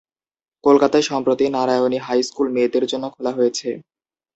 কলকাতায় সম্প্রতি Narayani high school মেয়েদের জন্যে খোলা হয়েছে।